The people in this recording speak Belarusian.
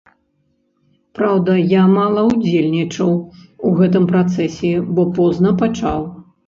Праўда, я мала ўдзельнічаў у гэтым працэсе, бо позна пачаў.